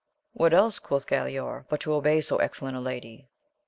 What else, quoth Galaor, but to obey so excellent a lady?